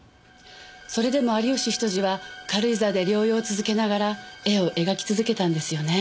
それでも有吉比登治は軽井沢で療養を続けながら絵を描き続けたんですよね。